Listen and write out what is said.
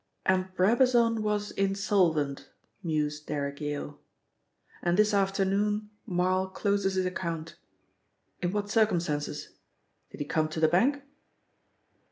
"And Brabazon was insolvent," mused Derrick Yale. "And this afternoon Marl closes his account. In what circumstances? Did he come to the bank?"